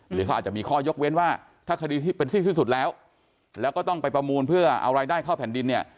หรือเขาอาจจะมีข้อยกเว้นว่าถ้าคดีที่เป็นสิ้นสุดแล้วแล้วก็ต้องไปประมูลเพื่อเอารายได้เข้าแผ่นดินเนี่ย